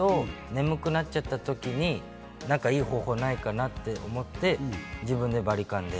眠くなっちゃったときにいい方法ないかなと思って、自分でバリカンで。